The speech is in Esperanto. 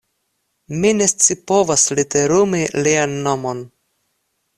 Mi ne scipovas literumi lian nomon.